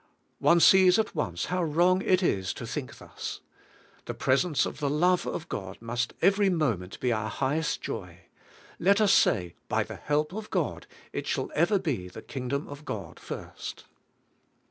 One sees at once how wrong it is to think thus. The presence of the love of God must every moment be our highest joy. Let us say: "By the help of God, it shall ever be the Kingdom of God first."